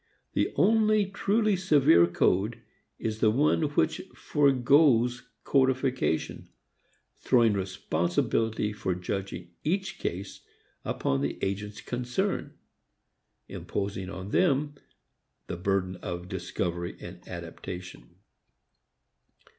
The only truly severe code is the one which foregoes codification, throwing responsibility for judging each case upon the agents concerned, imposing upon them the burden of discovery and adaptation.